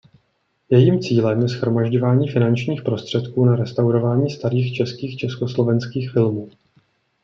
Jejím cílem je shromažďování finančních prostředků na restaurování starých českých a československých filmů.